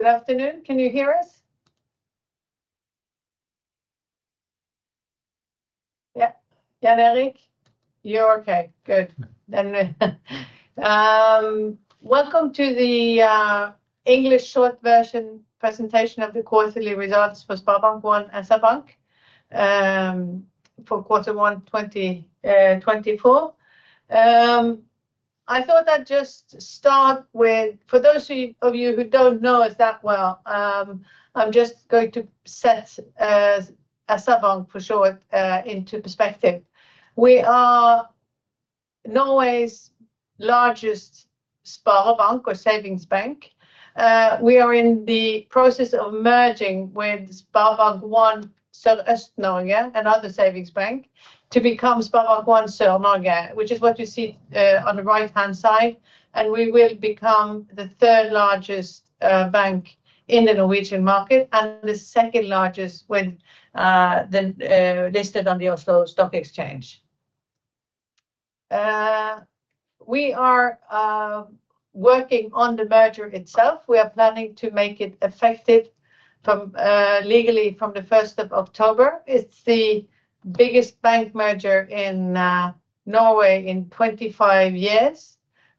Good afternoon. Can you hear us? Yep. Jan Erik? You're okay. Good. Then, welcome to the English short version presentation of the quarterly results for SpareBank 1 SR-Bank, for quarter one 2024. I thought I'd just start with—for those of you who don't know us that well, I'm just going to set SR-Bank for short into perspective. We are Norway's largest Sparebank or savings bank. We are in the process of merging with SpareBank 1 Sørøst-Norge and other savings banks to become SpareBank 1 Sør-Norge, which is what you see on the right-hand side, and we will become the third largest bank in the Norwegian market and the second largest with the listed on the Oslo Stock Exchange. We are working on the merger itself. We are planning to make it effective from legally from the 1st of October. It's the biggest bank merger in Norway in 25 years,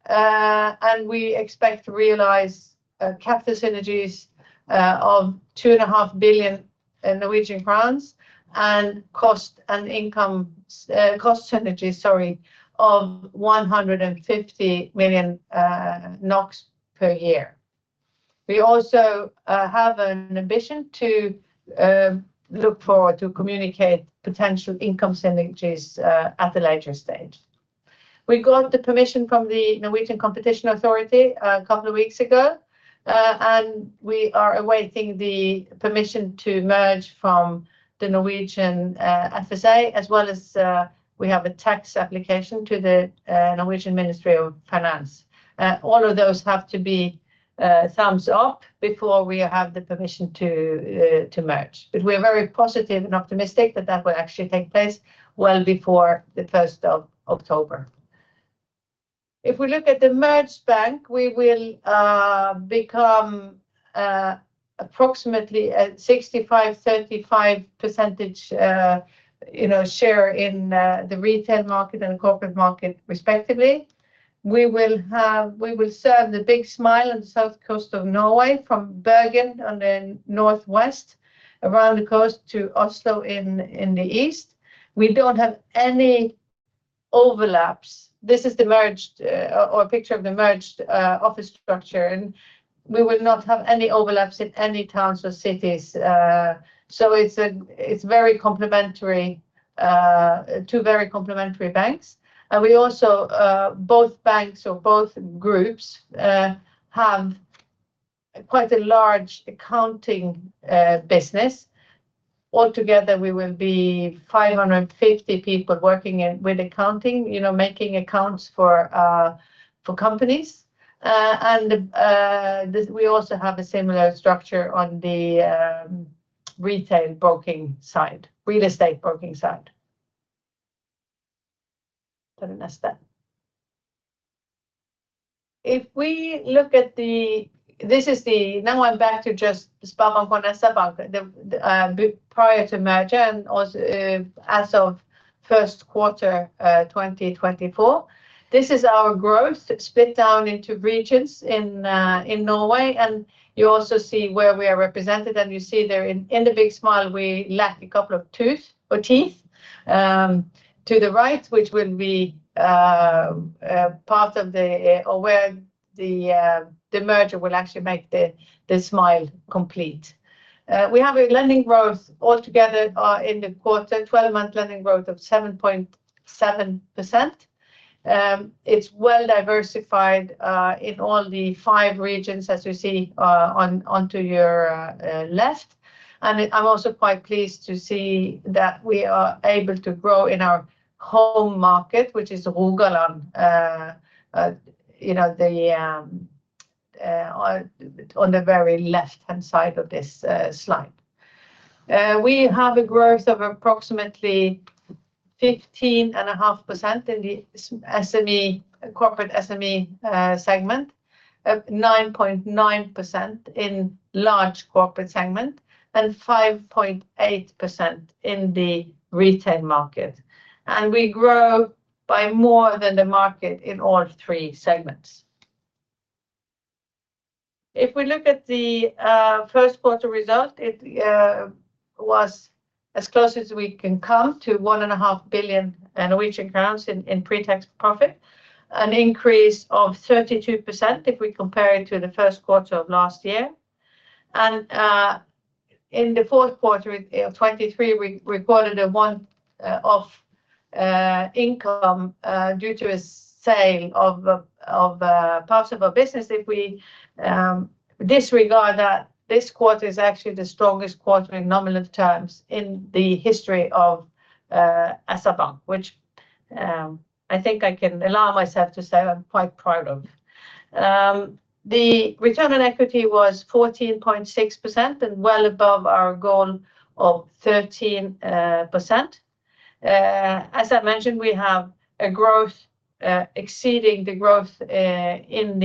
and we expect to realize capital synergies of 2.5 billion Norwegian crowns and cost and income—cost synergies, sorry—of NOK 150 million per year. We also have an ambition to look forward to communicate potential income synergies at a later stage. We got the permission from the Norwegian Competition Authority a couple of weeks ago, and we are awaiting the permission to merge from the Norwegian FSA, as well as we have a tax application to the Norwegian Ministry of Finance. All of those have to be thumbs up before we have the permission to merge, but we are very positive and optimistic that that will actually take place well before the 1st of October. If we look at the merged bank, we will become approximately a 65%-35% share, you know, in the retail market and the corporate market, respectively. We will have—we will serve the Big Smile on the south coast of Norway from Bergen on the northwest around the coast to Oslo in the east. We don't have any overlaps. This is the merged, or picture of the merged, office structure, and we will not have any overlaps in any towns or cities, so it's a—it's very complementary, two very complementary banks. We also, both banks or both groups, have quite a large accounting business. Altogether, we will be 550 people working in accounting, you know, making accounts for companies. And we also have a similar structure on the retail broking side, real estate broking side. If we look at this, now I'm back to just SpareBank 1 SR-Bank prior to merger and also as of first quarter 2024. This is our growth split down into regions in Norway, and you also see where we are represented, and you see there in the big smile we lack a couple of tooth or teeth to the right, which will be part of the or where the merger will actually make the smile complete. We have a lending growth altogether in the quarter, 12-month lending growth of 7.7%. It's well diversified in all the five regions, as you see onto your left, and I'm also quite pleased to see that we are able to grow in our home market, which is Rogaland, you know, on the very left-hand side of this slide. We have a growth of approximately 15.5% in the SME corporate SME segment, 9.9% in large corporate segment, and 5.8% in the retail market, and we grow by more than the market in all three segments. If we look at the 1st quarter result, it was as close as we can come to 1.5 billion Norwegian crowns in pretax profit, an increase of 32% if we compare it to the 1st quarter of last year. In the fourth quarter of 2023, we recorded a one-off income due to a sale of a part of our business. If we disregard that, this quarter is actually the strongest quarter in nominal terms in the history of SR-Bank, which I think I can allow myself to say I'm quite proud of. The return on equity was 14.6% and well above our goal of 13%. As I mentioned, we have a growth exceeding the growth in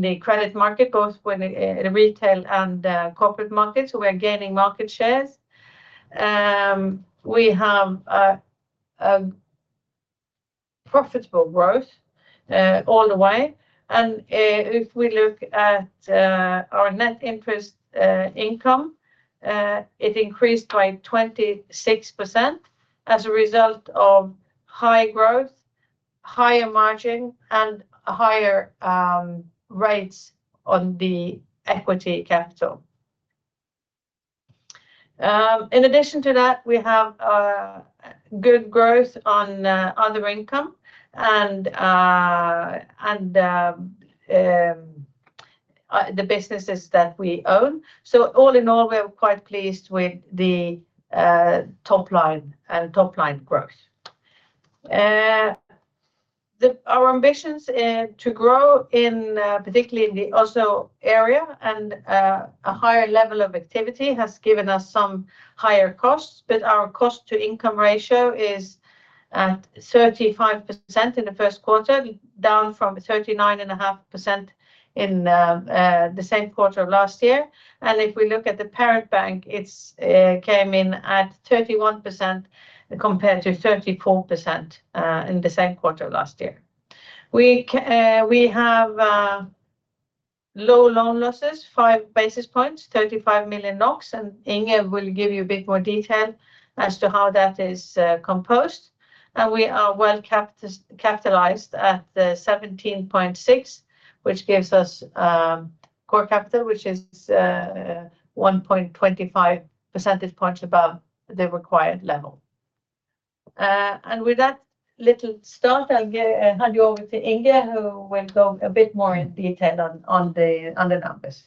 the credit market, both in retail and corporate markets, so we are gaining market shares. We have a profitable growth all the way, and if we look at our net interest income, it increased by 26% as a result of high growth, higher margin, and higher rates on the equity capital. In addition to that, we have good growth on other income and the businesses that we own. So all in all, we are quite pleased with the top line and top line growth. Our ambitions to grow in, particularly in the Oslo area, and a higher level of activity has given us some higher costs, but our cost to income ratio is at 35% in the first quarter, down from 39.5% in the same quarter of last year. If we look at the parent bank, it came in at 31% compared to 34% in the same quarter of last year. We have low loan losses, 5 basis points, 35 million NOK, and Inge will give you a bit more detail as to how that is composed. We are well capitalized at 17.6%, which gives us core capital, which is 1.25 percentage points above the required level. With that little start, I'll hand you over to Inge, who will go a bit more in detail on the numbers.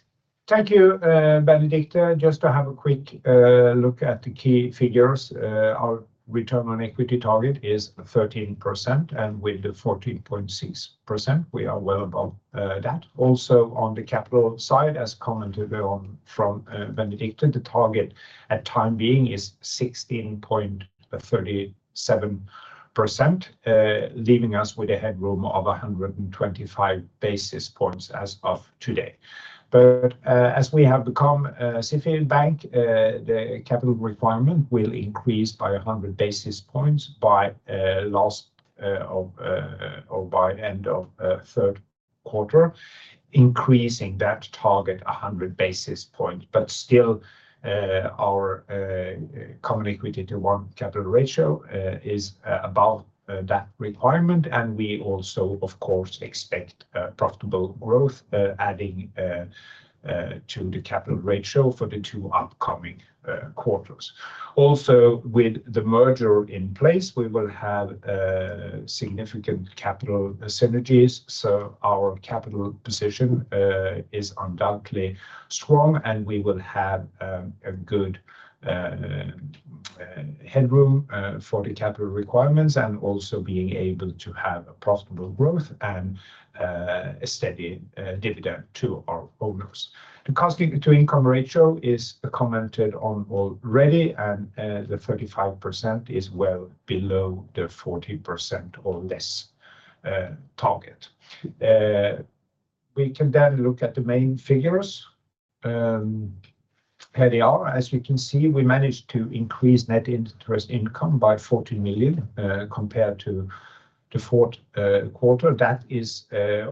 Thank you, Benedicte. Just to have a quick look at the key figures, our return on equity target is 13%, and with the 14.6%, we are well above that. Also on the capital side, as commented on by Benedicte, the target for the time being is 16.37%, leaving us with a headroom of 125 basis points as of today. But as we have become SIFI bank, the capital requirement will increase by 100 basis points by end of third quarter, increasing that target 100 basis points. But still, our Common Equity Tier 1 capital ratio is above that requirement, and we also of course expect profitable growth, adding to the capital ratio for the two upcoming quarters. Also, with the merger in place, we will have significant capital synergies, so our capital position is undoubtedly strong, and we will have a good headroom for the capital requirements and also being able to have a profitable growth and a steady dividend to our owners. The cost to income ratio is commented on already, and the 35% is well below the 40% or less target. We can then look at the main figures. Here they are. As you can see, we managed to increase net interest income by 14 million, compared to the 4th quarter. That is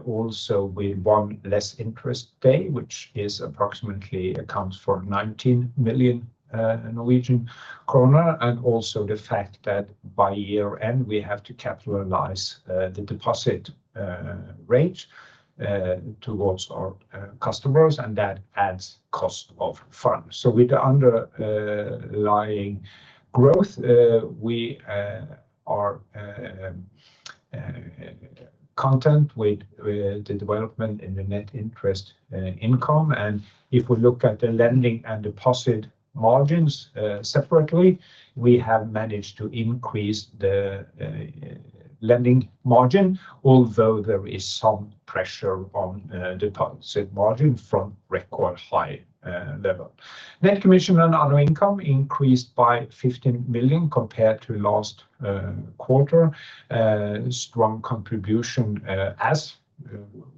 also with one less interest day, which is approximately accounts for 19 million Norwegian kroner, and also the fact that by year-end we have to capitalize the deposit rate towards our customers, and that adds cost of funds. So with the underlying growth, we are content with the development in the net interest income. And if we look at the lending and deposit margins separately, we have managed to increase the lending margin, although there is some pressure on deposit margin from record high level. Net commission and other income increased by 15 million compared to last quarter. Strong contribution as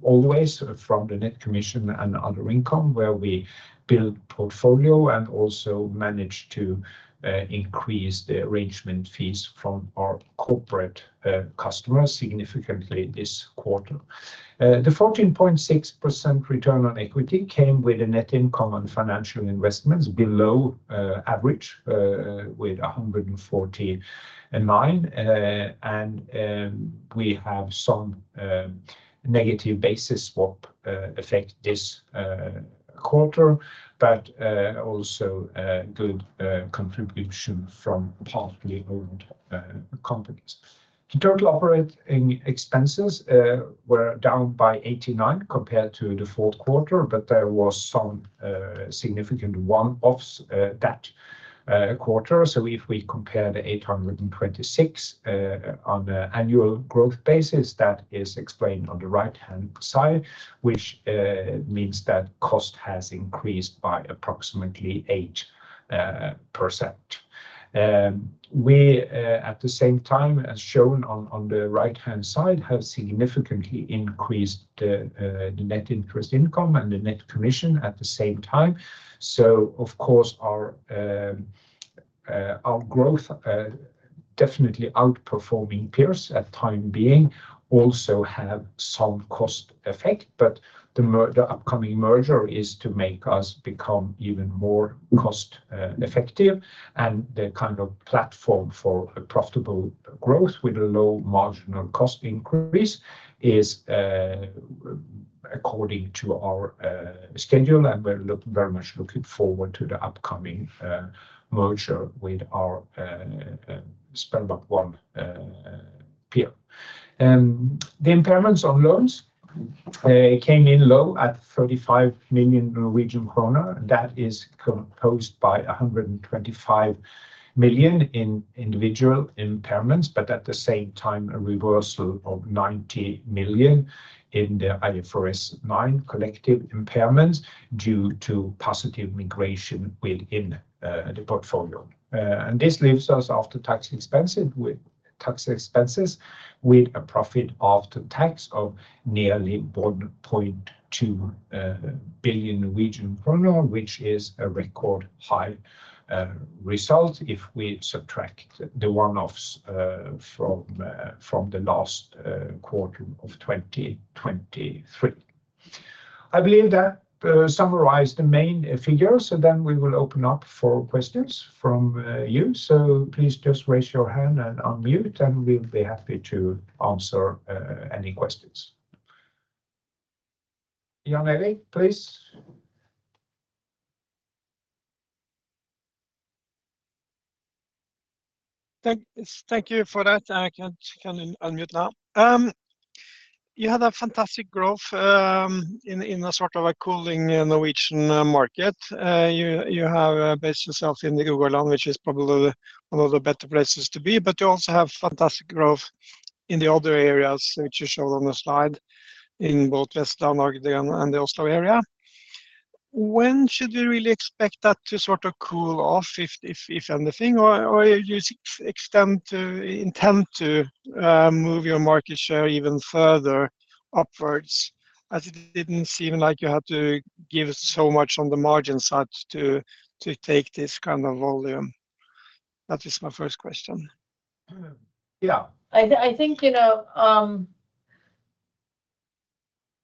always from the net commission and other income where we build portfolio and also manage to increase the arrangement fees from our corporate customers significantly this quarter. The 14.6% return on equity came with a net income and financial investments below average, with 149 million, and we have some negative basis swap effect this quarter, but also good contribution from partly owned companies. The total operating expenses were down by 89 million compared to the fourth quarter, but there was some significant one-offs that quarter. So if we compare the 826, on an annual growth basis, that is explained on the right-hand side, which means that cost has increased by approximately 8%. We, at the same time, as shown on the right-hand side, have significantly increased the net interest income and the net commission at the same time. So, of course, our growth, definitely outperforming peers for the time being, also have some cost effect, but the merger, the upcoming merger is to make us become even more cost-effective, and the kind of platform for profitable growth with a low marginal cost increase is, according to our schedule, and we're very much looking forward to the upcoming merger with our SpareBank 1 peer. The impairments on loans came in low at 35 million Norwegian kroner, and that is composed by 125 million in individual impairments, but at the same time, a reversal of 90 million in the IFRS 9 collective impairments due to positive migration within the portfolio. And this leaves us after tax expenses with a profit after tax of nearly 1.2 billion Norwegian kroner, which is a record high result if we subtract the one-offs from the last quarter of 2023. I believe that summarized the main figures, and then we will open up for questions from you. So please just raise your hand and unmute, and we'll be happy to answer any questions. Jan Erik, please. Thank you for that. I can't unmute now. You had a fantastic growth, in a sort of a cooling Norwegian market. You have based yourself in Rogaland, which is probably one of the better places to be, but you also have fantastic growth in the other areas, which you showed on the slide, in both Vestland, Norway and the Oslo area. When should we really expect that to sort of cool off, if anything, or do you intend to move your market share even further upwards, as it didn't seem like you had to give so much on the margin side to take this kind of volume? That is my first question. Yeah. I think, you know,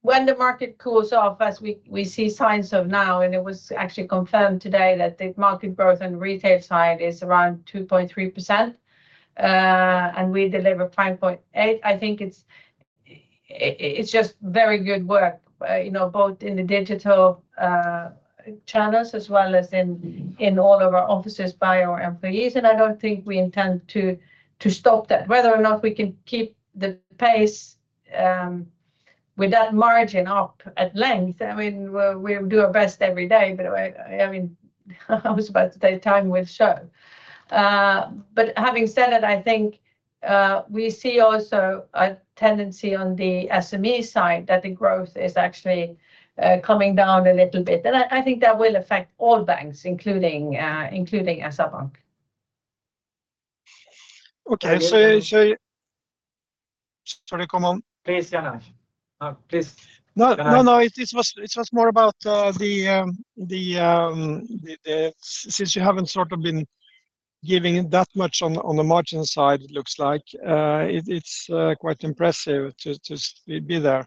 when the market cools off, as we see signs of now, and it was actually confirmed today that the market growth on the retail side is around 2.3%, and we deliver 5.8%. I think it's just very good work, you know, both in the digital channels as well as in all of our offices by our employees, and I don't think we intend to stop that. Whether or not we can keep the pace with that margin up at length, I mean, we'll do our best every day, but I mean, I was about to say time will show, but having said that, I think we see also a tendency on the SME side that the growth is actually coming down a little bit, and I think that will affect all banks, including SR-Bank. Okay, so so. Sorry, come on. Please, Jan Erik. Please. No, no, no, it was more about the since you haven't sort of been giving that much on the margin side, it looks like it's quite impressive to be there.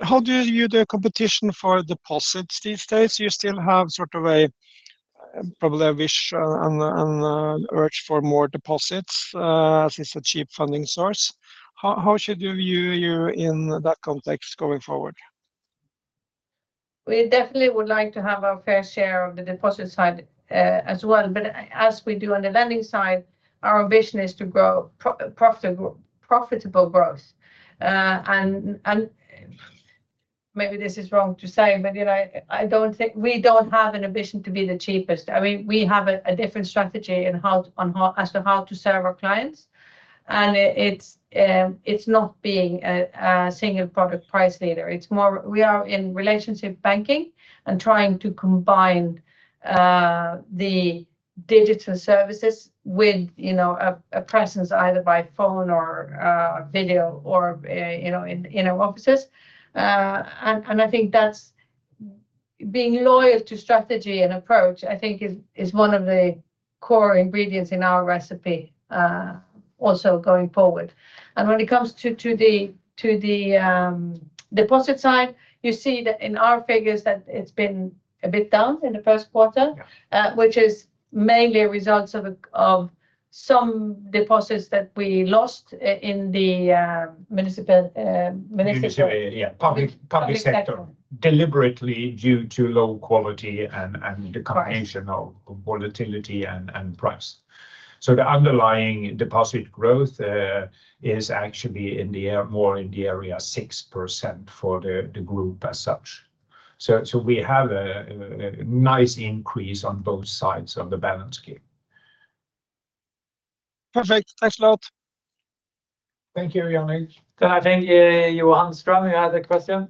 How do you do the competition for deposits these days? You still have sort of probably a wish and an urge for more deposits, as it's a cheap funding source. How should you view you in that context going forward? We definitely would like to have our fair share of the deposit side, as well, but as we do on the lending side, our ambition is to grow profitable growth, and maybe this is wrong to say, but you know, I don't think we don't have an ambition to be the cheapest. I mean, we have a different strategy in how to serve our clients, and it's not being a single product price leader. It's more we are in relationship banking and trying to combine the digital services with, you know, a presence either by phone or video or, you know, in our offices. And I think that's being loyal to strategy and approach, I think, is one of the core ingredients in our recipe, also going forward. When it comes to the deposit side, you see that in our figures that it's been a bit down in the first quarter, which is mainly a result of some deposits that we lost in the municipal. Municipal, yeah, public sector. Deliberately due to low quality and the combination of volatility and price. So the underlying deposit growth is actually in there more in the area 6% for the group as such. So we have a nice increase on both sides of the balance sheet. Perfect. Thanks a lot. Thank you, Jan Erik. I think, Johan Strøm, you had a question?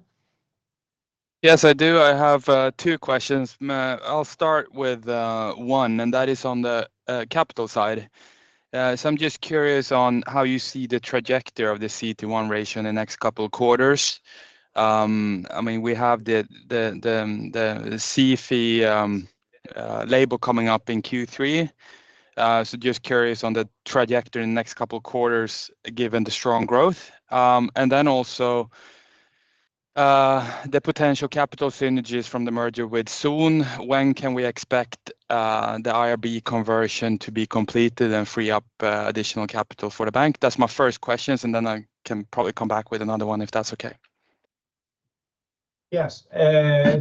Yes, I do. I have two questions. I'll start with one, and that is on the capital side. So I'm just curious on how you see the trajectory of the CET1 ratio in the next couple of quarters. I mean, we have the SIFI label coming up in Q3, so just curious on the trajectory in the next couple of quarters given the strong growth, and then also the potential capital synergies from the merger with SpareBank 1 Sørøst-Norge, when can we expect the IRB conversion to be completed and free up additional capital for the bank? That's my first questions, and then I can probably come back with another one if that's okay. Yes,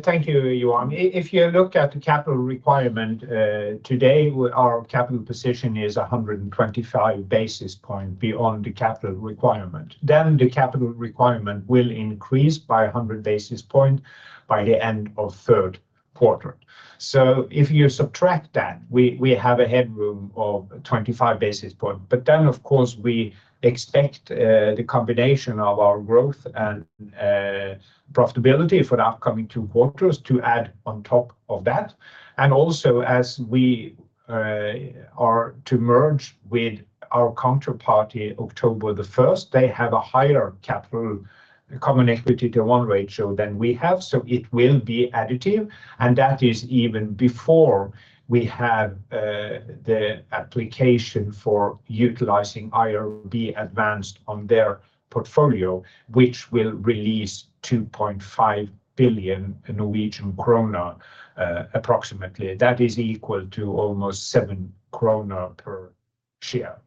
thank you, Johan. If you look at the capital requirement today, our capital position is 125 basis points beyond the capital requirement. Then the capital requirement will increase by 100 basis points by the end of third quarter. So if you subtract that, we have a headroom of 25 basis points, but then, of course, we expect the combination of our growth and profitability for the upcoming two quarters to add on top of that. And also, as we are to merge with our counterparty October the 1st, they have a higher Common Equity Tier 1 ratio than we have, so it will be additive, and that is even before we have the application for utilizing IRB Advanced on their portfolio, which will release 2.5 billion Norwegian kroner approximately. That is equal to almost 7 kroner per share.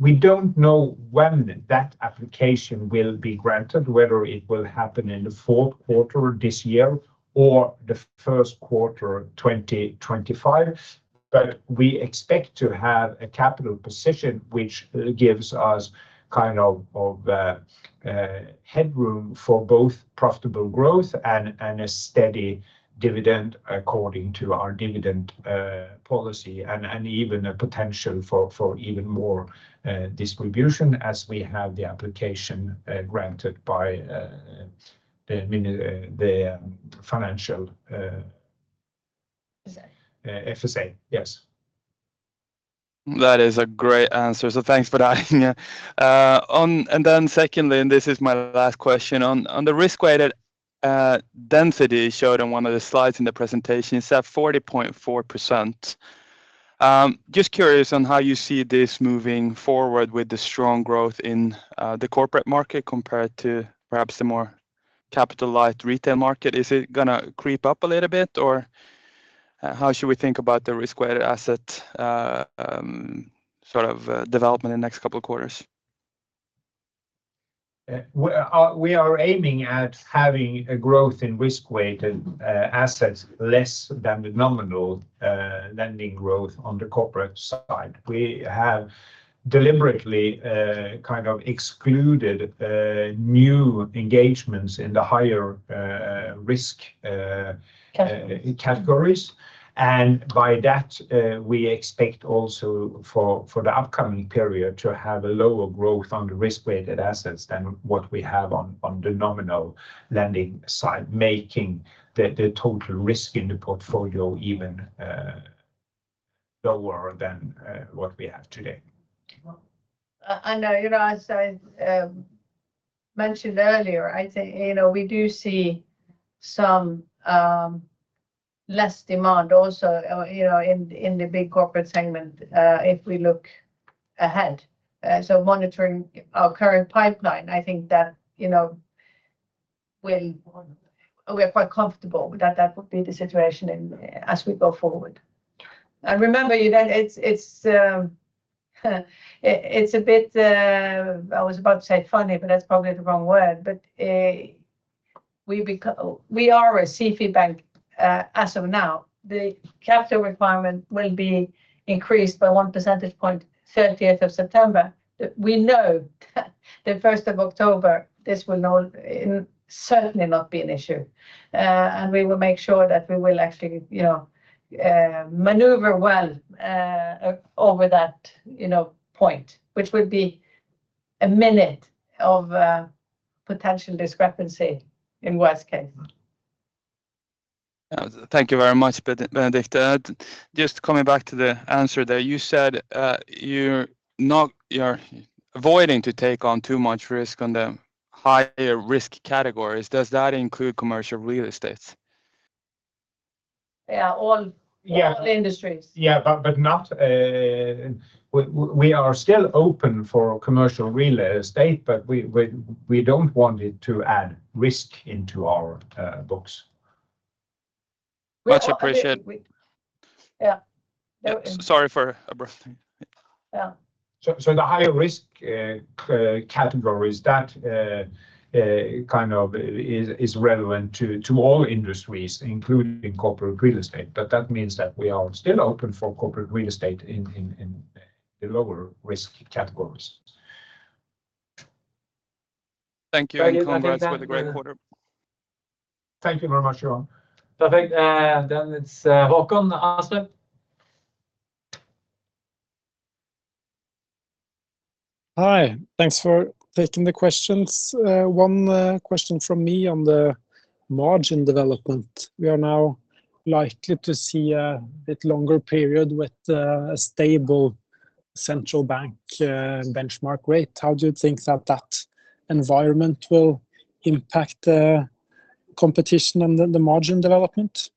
We don't know when that application will be granted, whether it will happen in the fourth quarter this year or the first quarter 2025, but we expect to have a capital position which gives us kind of a headroom for both profitable growth and a steady dividend according to our dividend policy, and even a potential for even more distribution as we have the application granted by the Financial FSA. Yes. That is a great answer, so thanks for that. Then secondly, and this is my last question on the risk-weighted density shown on one of the slides in the presentation, it's at 40.4%. Just curious on how you see this moving forward with the strong growth in the corporate market compared to perhaps the more capital-light retail market. Is it going to creep up a little bit, or how should we think about the risk-weighted asset sort of development in the next couple of quarters? We are aiming at having a growth in risk-weighted assets less than the nominal lending growth on the corporate side. We have deliberately kind of excluded new engagements in the higher risk categories, and by that, we expect also for the upcoming period to have a lower growth on the risk-weighted assets than what we have on the nominal lending side, making the total risk in the portfolio even lower than what we have today. I know, you know, as I mentioned earlier, I think, you know, we do see some less demand also, you know, in the big corporate segment if we look ahead. So monitoring our current pipeline, I think that, you know, we're quite comfortable that that would be the situation as we go forward. And remember, you know, it's a bit. I was about to say funny, but that's probably the wrong word, but. We are a SIFI bank as of now. The capital requirement will be increased by one percentage point 30th of September. We know the 1st of October this will certainly not be an issue, and we will make sure that we will actually, you know, maneuver well over that, you know, point, which would be a minimum of potential discrepancy in worst case. Thank you very much, Benedicte. Just coming back to the answer there, you said you're not avoiding to take on too much risk on the higher risk categories. Does that include commercial real estates? Yeah, all industries. Yeah, but not. We are still open for commercial real estate, but we don't want it to add risk into our books. Much appreciated. Yeah. Sorry for abruptly. Yeah. So, the higher risk categories, that kind of is relevant to all industries, including corporate real estate, but that means that we are still open for corporate real estate in the lower risk categories. Thank you and congrats for the great quarter. Thank you very much, Johan. Perfect. Then it's Håkon Astrup. Hi, thanks for taking the questions. One question from me on the margin development. We are now likely to see a bit longer period with a stable central bank benchmark rate. How do you think that that environment will impact the competition and the margin development?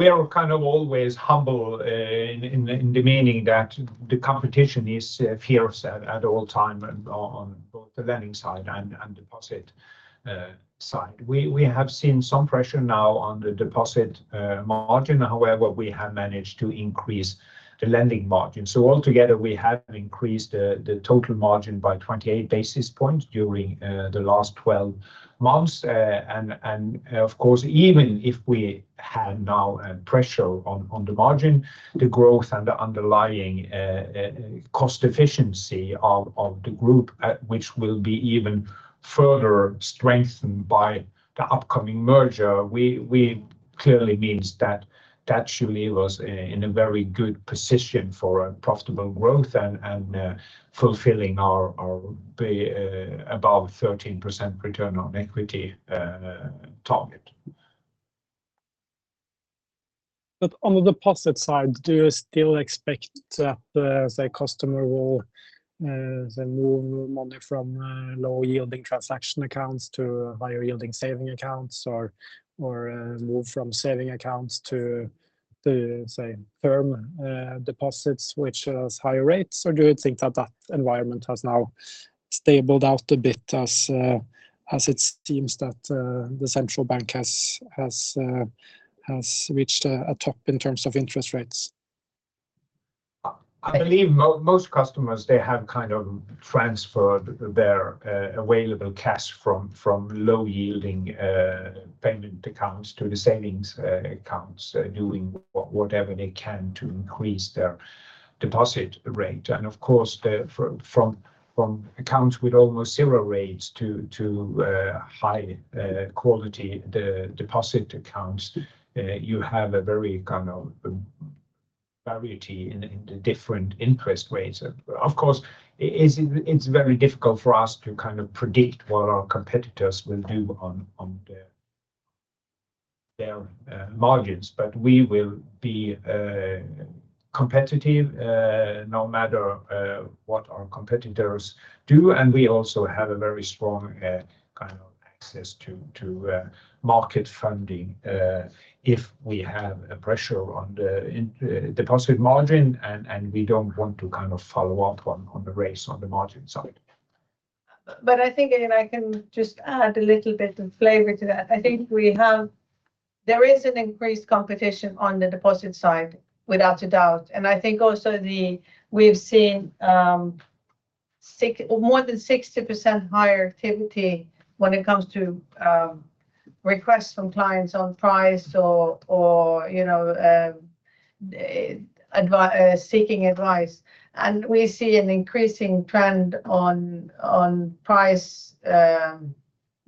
We are kind of always humble in the meaning that the competition is fierce at all time on both the lending side and deposit side. We have seen some pressure now on the deposit margin. However, we have managed to increase the lending margin. Altogether, we have increased the total margin by 28 basis points during the last 12 months. Of course, even if we had now pressure on the margin, the growth and the underlying cost efficiency of the group, which will be even further strengthened by the upcoming merger, clearly means that that should leave us in a very good position for profitable growth and fulfilling our above 13% return on equity target. On the deposit side, do you still expect that, say, customer will, say, move money from low-yielding transaction accounts to higher-yielding saving accounts or move from saving accounts to, say, term deposits, which has higher rates, or do you think that that environment has now stabilized out a bit as it seems that the central bank has reached a top in terms of interest rates? I believe most customers, they have kind of transferred their available cash from low-yielding payment accounts to the savings accounts, doing whatever they can to increase their deposit rate. And of course, from accounts with almost zero rates to high-quality deposit accounts, you have a very kind of variety in the different interest rates. Of course, it's very difficult for us to kind of predict what our competitors will do on their margins, but we will be competitive no matter what our competitors do. And we also have a very strong kind of access to market funding if we have a pressure on the deposit margin and we don't want to kind of follow up on the race on the margin side. But I think, again, I can just add a little bit of flavor to that. I think there is an increased competition on the deposit side, without a doubt. And I think also we've seen more than 60% higher activity when it comes to requests from clients on price or, you know, seeking advice. And we see an increasing trend on price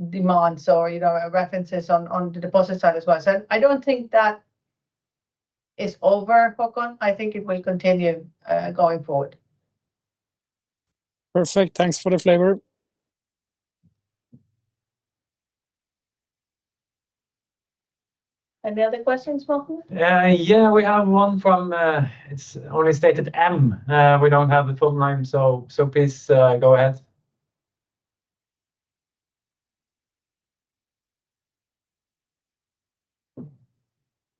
demands or, you know, references on the deposit side as well. So I don't think that is over, Håkon. I think it will continue going forward. Perfect. Thanks for the flavor. Any other questions, Håkon? Yeah, we have one from, it's only stated M. We don't have the full name, so please go ahead.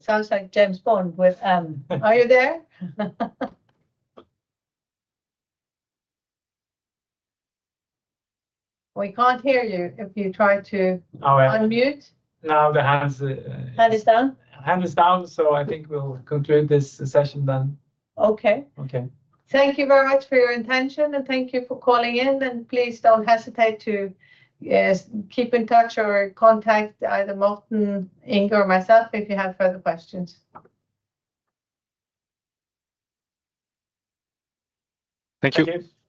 Sounds like James Bond with M. Are you there? We can't hear you if you try to unmute. Oh, yeah. Now the hand's. Hand is down? Hand is down, so I think we'll conclude this session then. Okay. Okay. Thank you very much for your attention, and thank you for calling in. Please don't hesitate to keep in touch or contact either Morten, Inge, or myself if you have further questions. Thank you. Thank you.